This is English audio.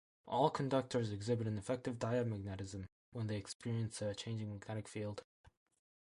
All conductors exhibit an effective diamagnetism when they experience a changing magnetic field.